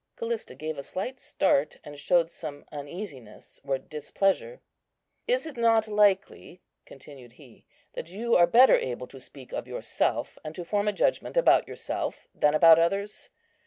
Callista gave a slight start, and showed some uneasiness or displeasure. "Is it not likely," continued he, "that you are better able to speak of yourself, and to form a judgment about yourself, than about others?